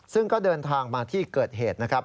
ซึ่งก็เดินทางมาที่เกิดเหตุนะครับ